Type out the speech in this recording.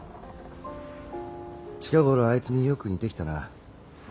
近頃あいつによく似てきたな。